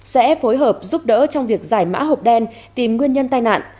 sẽ phối hợp giúp đỡ trong việc giải mã hộp đen tìm nguyên nhân tai nạn